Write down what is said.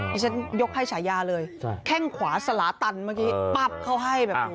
ดิฉันยกให้ฉายาเลยแข้งขวาสลาตันเมื่อกี้ปั๊บเขาให้แบบนี้